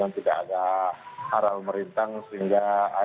tidak ada arah pemerintah sehingga